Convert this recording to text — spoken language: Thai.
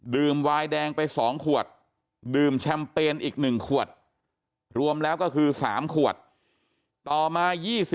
วายแดงไป๒ขวดดื่มแชมเปญอีก๑ขวดรวมแล้วก็คือ๓ขวดต่อมา